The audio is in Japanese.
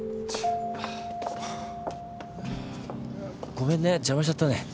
ごめんね邪魔しちゃったね。